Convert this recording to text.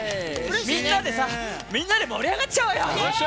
みんなでさみんなで盛り上がっちゃおうよ！